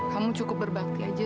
kamu cukup berbakti aja